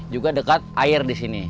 juga dekat air disini